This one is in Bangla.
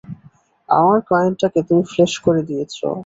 আমার কয়েনটাকে তুমি ফ্ল্যাশ করে দিয়েছ?